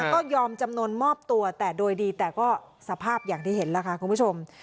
ก็ยอมจำนวนมอบตัวแต่โดยดีแต่ก็สภาพอย่างที่เห็นแล้วค่ะคุณผู้ชม